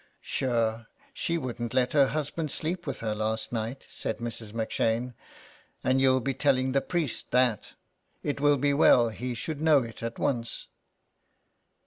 *' Sure she wouldn't let her husband sleep with her last night," said Mrs. M'Shane, " and you'll be telling the priest that. It will be well he should know it at once.''